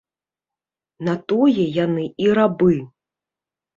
На тое яны і рабы.